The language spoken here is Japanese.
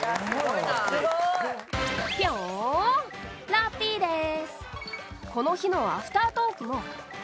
ラッピーです。